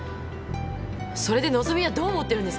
それで和希はどう思ってるんですか？